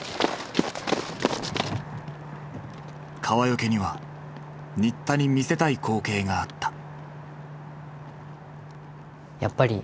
川除には新田に見せたい光景があった。